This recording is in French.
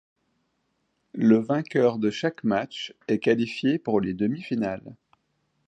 Le vainqueur de chaque match est qualifié pour les demi-finale.